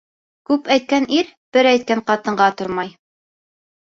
Күп әйткән ир бер әйткән ҡатынға тормай.